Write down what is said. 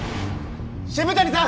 渋谷さん！